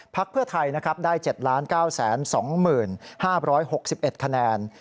ภักดิ์เพื่อไทยได้๗๙๒๐๕๖๑คะแนน